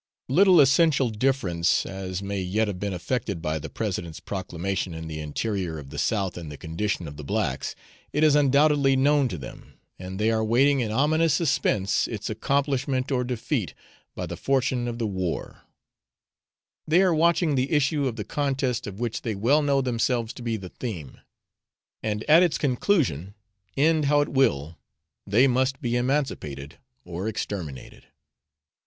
Little essential difference as may yet have been effected by the President's proclamation in the interior of the South in the condition of the blacks, it is undoubtedly known to them, and they are waiting in ominous suspense its accomplishment or defeat by the fortune of the war; they are watching the issue of the contest of which they well know themselves to be the theme, and at its conclusion, end how it will, they must be emancipated or exterminated.